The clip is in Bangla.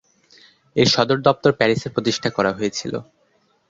এর সদর দফতর প্যারিসে প্রতিষ্ঠা করা হয়েছিল।